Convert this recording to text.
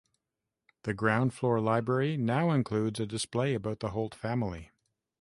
The ground floor library now includes a display about the Holt family.